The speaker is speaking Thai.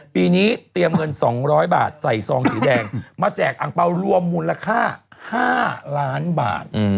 ปีนี้เตรียมเงิน๒๐๐บาทใส่ซองสีแดงมาแจกอังเปล่ารวมมูลค่า๕ล้านบาท